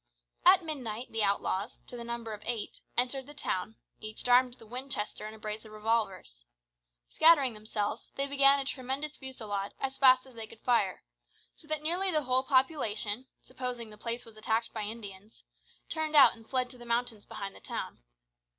About midnight the outlaws, to the number of eight, entered the town, each armed with a Winchester and a brace of revolvers. Scattering themselves, they began a tremendous fusillade, as fast as they could fire, so that nearly the whole population, supposing the place was attacked by Indians, turned out and fled to the mountains behind the town.